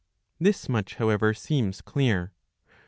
This much, however, seems clear.